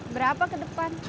berapa ke depan